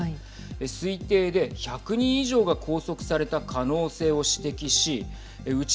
推定で１００人以上が拘束された可能性を指摘しうち